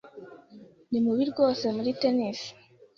Ni mubi rwose muri tennis.